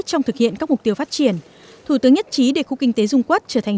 trong thực hiện các mục tiêu phát triển thủ tướng nhất trí để khu kinh tế dung quốc trở thành